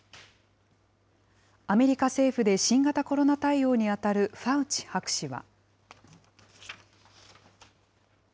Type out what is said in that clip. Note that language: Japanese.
アメリカ政府で新型コロナ対応に当たるファウチ博士は。